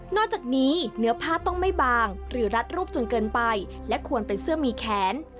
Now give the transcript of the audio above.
อกจากนี้เนื้อผ้าต้องไม่บางหรือรัดรูปจนเกินไปและควรเป็นเสื้อมีแขน